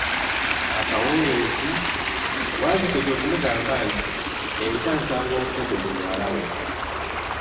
Akawungezi, wazzike kwe kumugamba nti, enkya nsaga onfumbidde muwala wo.